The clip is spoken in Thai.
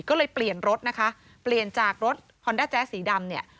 ก็เลยเปลี่ยนรถนะคะเปลี่ยนจากรถฮอนด้าแจ๊สสีดำเนี่ย